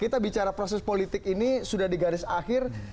kita bicara proses politik ini sudah di garis akhir